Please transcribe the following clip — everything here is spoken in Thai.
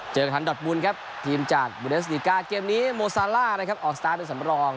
ทันดอดบุญครับทีมจากบูเดสติก้าเกมนี้โมซาล่านะครับออกสตาร์ทเป็นสำรอง